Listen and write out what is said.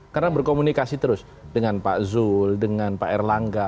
karena berkomunikasi terus dengan pak zul dengan pak erlangga